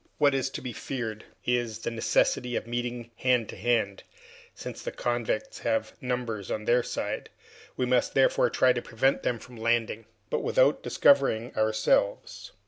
What is to be feared is, the necessity of meeting hand to hand, since the convicts have numbers on their side. We must therefore try to prevent them from landing, but without discovering ourselves.